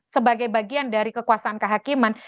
sebagai bagian dari kekuasaan kehakiman